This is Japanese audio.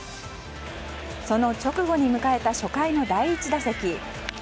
その直後に迎えた初回の第１打席。